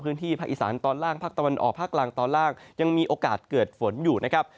พื้นที่ภาคอีสานตอนล่างภาคตะวันออกภาคล่างตอนล่างยังมีโอกาสเกิดฝนอยู่นะครับ